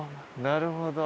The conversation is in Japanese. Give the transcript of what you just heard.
なるほど。